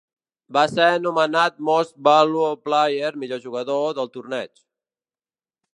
Va ser nomenat Most Valuable Player (millor jugador) del torneig.